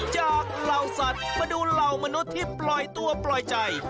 เหล่าสัตว์มาดูเหล่ามนุษย์ที่ปล่อยตัวปล่อยใจ